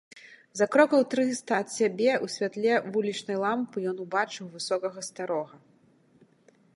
За крокаў трыста ад сябе, у святле вулічнай лямпы ён убачыў высокага старога.